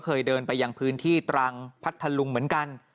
เคยเดินไปยังพื้นที่ตรังพัทธลุงเหมือนกัน